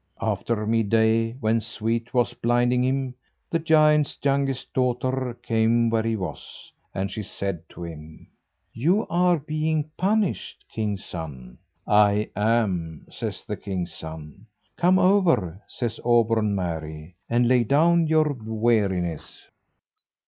After midday when sweat was blinding him, the giant's youngest daughter came where he was, and she said to him: "You are being punished, king's son." "I am that," says the king's son. "Come over," says Auburn Mary, "and lay down your weariness."